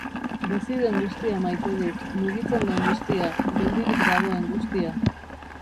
Bizi den guztia maite dut, mugitzen den guztia, geldirik dagoen guztia.